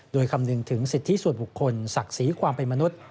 โดยคำนึงถึงสิทธิส่วนบุคคลศักดิ์ศรีความเป็นมนุษย์